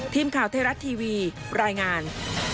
ทีมข่าวไทยรัฐทีวีรายงาน